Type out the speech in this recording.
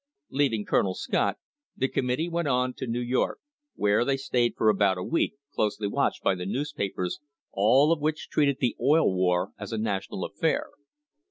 Leaving Colonel Scott the committee went on to New York, where they stayed for about a week, closely watched by] the newspapers, all of which treated the "Oil War" as a I national affair.